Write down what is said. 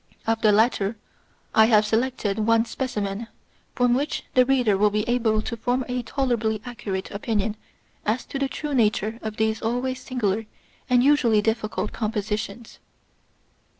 Of the latter, I have selected one specimen, from which the reader will be able to form a tolerably accurate opinion as to the true nature of these always singular and usually difficult compositions.